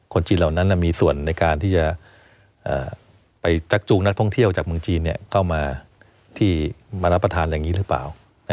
คนจีนเหล่านั้นมีส่วนในการที่จะไปชักจูงนักท่องเที่ยวจากเมืองจีนเข้ามาที่มารับประทานอย่างนี้หรือเปล่า